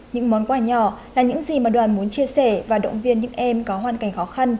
những món quà nhỏ là những gì mà đoàn muốn chia sẻ và động viên những em có hoàn cảnh khó khăn